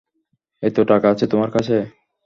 এত টাকা আছে তোমার কাছে?